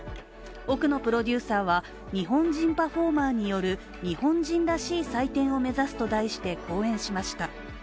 奥野プロデューサーは日本人パフォーマーによる日本人らしい祭典を目指すと題して講演しました。